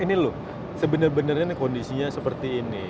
ini loh sebenarnya kondisinya seperti ini